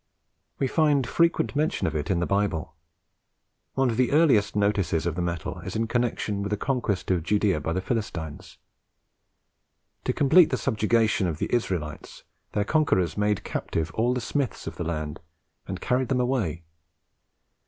We find frequent mention of it in the Bible. One of the earliest notices of the metal is in connexion with the conquest of Judea by the Philistines. To complete the subjection of the Israelites, their conquerors made captive all the smiths of the land, and carried them away.